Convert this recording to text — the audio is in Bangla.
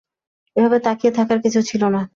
এভাবে তাকিয়ে থাকার কিছু ছিল না।